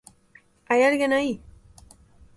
Hai alguén aí?